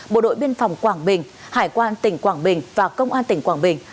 bộ đội biên phòng quảng bình hải quan tỉnh quảng bình và công an tỉnh quảng bình